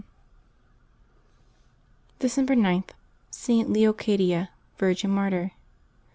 December g.— ST. LEOCADIA, Virgin, Martyr.